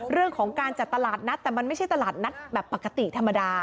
เรื่องของการจัดตลาดนัดแต่มันไม่ใช่ตลาดนัดแบบปกติธรรมดา